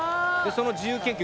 その自由研究